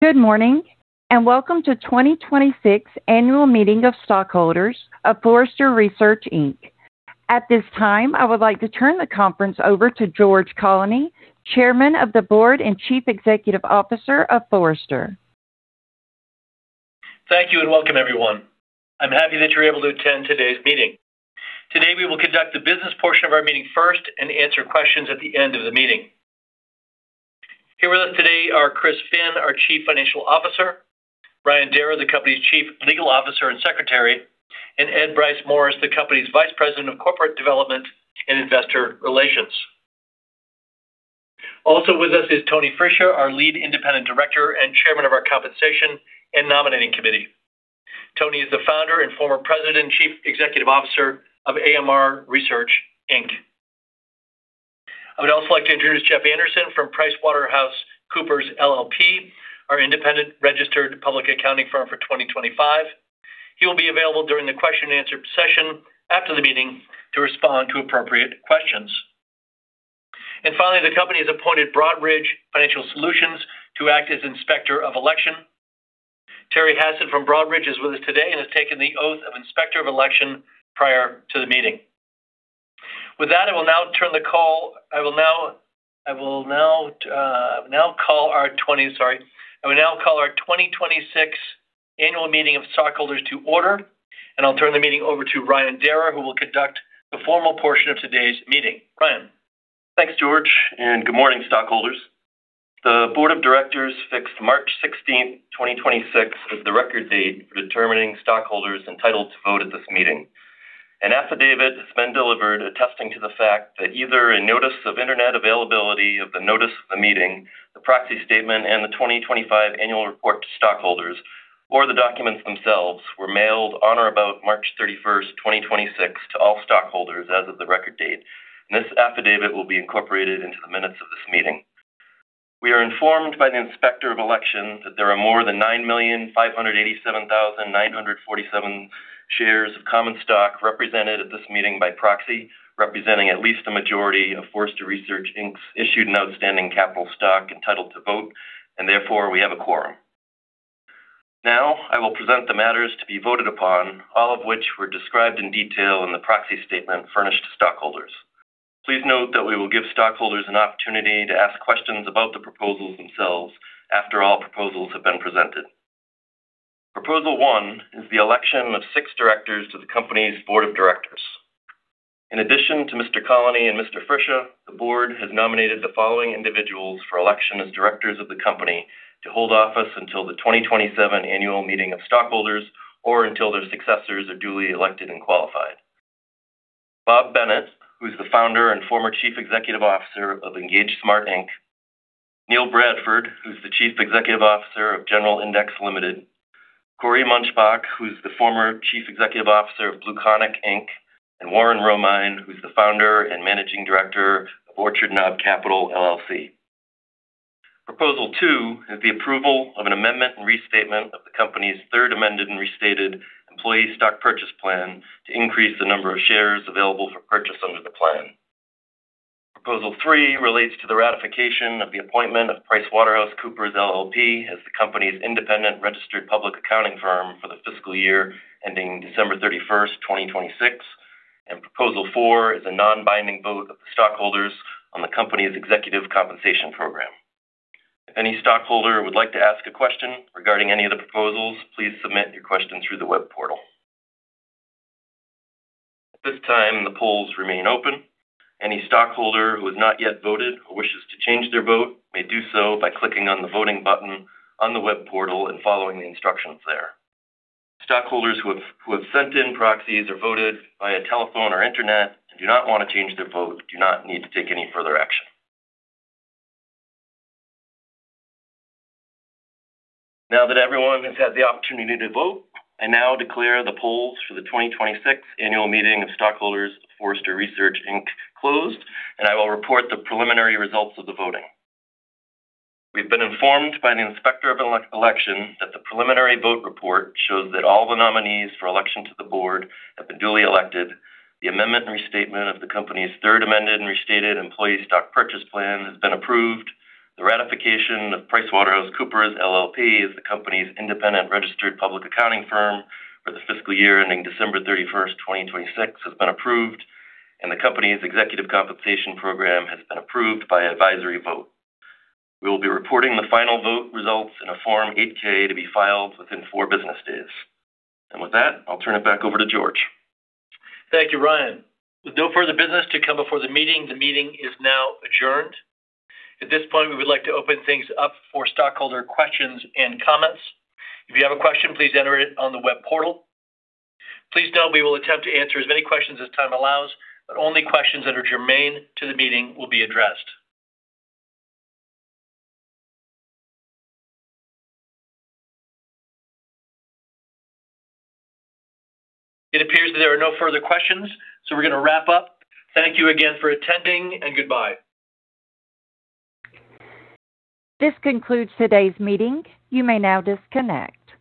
Good morning, and welcome to 2026 Annual Meeting of Stockholders of Forrester Research, Inc. At this time, I would like to turn the conference over to George Colony, Chairman of the Board and Chief Executive Officer of Forrester. Thank you and welcome, everyone. I'm happy that you're able to attend today's meeting. Today, we will conduct the business portion of our meeting first and answer questions at the end of the meeting. Here with us today are Chris Finn, our Chief Financial Officer, Ryan Darrah, the company's Chief Legal Officer and Secretary, and Ed Bryce Morris, the company's Vice President of Corporate Development and Investor Relations. Also with us is Tony Friscia, our Lead Independent Director and Chairman of our Compensation and Nominating Committee. Tony is the founder and former President and Chief Executive Officer of AMR Research, Inc. I would also like to introduce Jeff Anderson from PricewaterhouseCoopers LLP, our independent registered public accounting firm for 2025. He will be available during the question and answer session after the meeting to respond to appropriate questions. Finally, the company has appointed Broadridge Financial Solutions to act as Inspector of Election. Terry Hassett from Broadridge is with us today and has taken the oath of Inspector of Election prior to the meeting. With that, Sorry. I will now call our 2026 Annual Meeting of Stockholders to order, and I'll turn the meeting over to Ryan Darrah, who will conduct the formal portion of today's meeting. Ryan. Thanks, George, and good morning, stockholders. The board of directors fixed March 16th, 2026 as the record date for determining stockholders entitled to vote at this meeting. An affidavit has been delivered attesting to the fact that either a notice of internet availability of the notice of the meeting, the proxy statement, and the 2025 annual report to stockholders or the documents themselves were mailed on or about March 31st, 2026 to all stockholders as of the record date. This affidavit will be incorporated into the minutes of this meeting. We are informed by the Inspector of Election that there are more than 9,587,947 shares of common stock represented at this meeting by proxy, representing at least a majority of Forrester Research, Inc.'s issued and outstanding capital stock entitled to vote, and therefore, we have a quorum. Now, I will present the matters to be voted upon, all of which were described in detail in the proxy statement furnished to stockholders. Please note that we will give stockholders an opportunity to ask questions about the proposals themselves after all proposals have been presented. Proposal one is the election of six directors to the company's board of directors. In addition to Mr. Colony and Mr. Friscia, the board has nominated the following individuals for election as directors of the company to hold office until the 2027 Annual Meeting of Stockholders or until their successors are duly elected and qualified. Bob Bennett, who's the Founder and former Chief Executive Officer of EngageSmart, Inc. Neil Bradford, who's the Chief Executive Officer of General Index Limited. Cory Munchbach, who's the former Chief Executive Officer of BlueConic Inc. Warren Romine, who's the Founder and Managing Director of Orchard Knob Capital, LLC. Proposal two is the approval of an amendment and restatement of the company's third amended and restated employee stock purchase plan to increase the number of shares available for purchase under the plan. Proposal three relates to the ratification of the appointment of PricewaterhouseCoopers LLP as the company's independent registered public accounting firm for the fiscal year ending December 31st, 2026. Proposal four is a non-binding vote of the stockholders on the company's executive compensation program. If any stockholder would like to ask a question regarding any of the proposals, please submit your question through the web portal. At this time, the polls remain open. Any stockholder who has not yet voted or wishes to change their vote may do so by clicking on the voting button on the web portal and following the instructions there. Stockholders who have sent in proxies or voted via telephone or internet and do not want to change their vote do not need to take any further action. Now that everyone has had the opportunity to vote, I now declare the polls for the 2026 Annual Meeting of Stockholders of Forrester Research, Inc. closed, and I will report the preliminary results of the voting. We've been informed by the Inspector of Election that the preliminary vote report shows that all the nominees for election to the board have been duly elected. The amendment and restatement of the company's third amended and restated employee stock purchase plan has been approved. The ratification of PricewaterhouseCoopers LLP as the company's independent registered public accounting firm for the fiscal year ending December 31st, 2026 has been approved. The company's executive compensation program has been approved by advisory vote. We will be reporting the final vote results in a Form 8-K to be filed within four business days. With that, I'll turn it back over to George. Thank you, Ryan. With no further business to come before the meeting, the meeting is now adjourned. At this point, we would like to open things up for stockholder questions and comments. If you have a question, please enter it on the web portal. Please note we will attempt to answer as many questions as time allows, but only questions that are germane to the meeting will be addressed. It appears that there are no further questions, so we're gonna wrap up. Thank you again for attending, and goodbye. This concludes today's meeting. You may now disconnect.